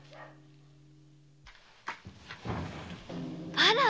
あら？